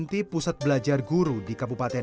kepala kepala kepala